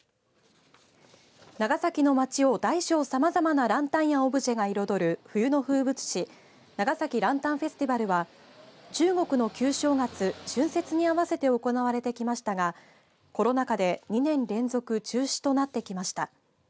長崎の街を大小さまざまなランタンやオブジェを彩る冬の風物詩長崎ランタンフェスティバルは中国の旧正月、春節に合わせて行われてきましたがコロナ禍で２年連続中止となってきました。